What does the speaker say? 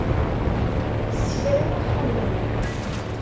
Ssekran axxam-nni.